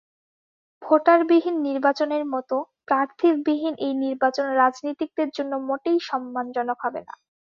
ভোটারবিহীন নির্বাচনের মতো প্রার্থীবিহীন এই নির্বাচন রাজনীতিকদের জন্য মোটেই সম্মানজনক হবে না।